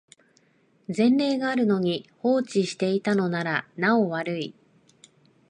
前例があるのに放置していたのならなお悪い